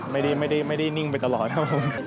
ไม่ได้นิ่งไปตลอดครับผม